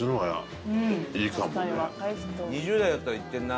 ２０代だったらいってるな。